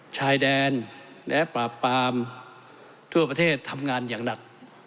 ชายแดนและปราบปามทั่วประเทศทำงานอย่างหนัก